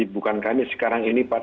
bukan kami sekarang ini